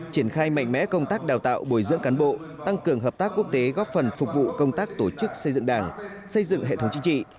triển khai mạnh mẽ công tác đào tạo bồi dưỡng cán bộ tăng cường hợp tác quốc tế góp phần phục vụ công tác tổ chức xây dựng đảng xây dựng hệ thống chính trị